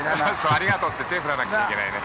ありがとうって手を振らないといけないね。